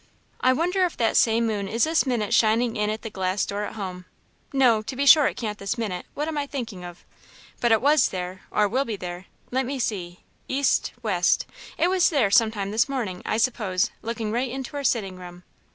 "I wonder if that same moon is this minute shining in at the glass door at home? no, to be sure it can't this minute what am I thinking of? but it was there, or will be there let me see east west it was there some time this morning, I suppose, looking right into our sitting room.